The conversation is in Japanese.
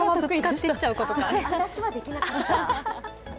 私はできなかった。